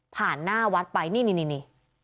หน้าวัดไปนี่